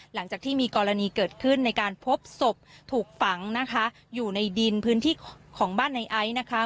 หลังจากที่มีกรณีเกิดขึ้นในการพบศพถูกฝังนะคะอยู่ในดินพื้นที่ของบ้านในไอซ์นะคะ